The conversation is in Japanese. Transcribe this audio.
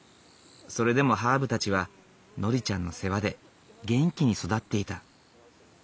それでもハーブたちはノリちゃんの世話で元気に育っていた。